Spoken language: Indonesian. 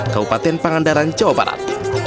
kabupaten pangandaran jawa barat